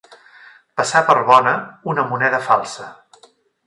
Passar per bona, una moneda falsa.